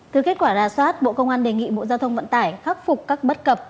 từ kết quả ra soát bộ công an đề nghị bộ giao thông vận tải khắc phục các bất cập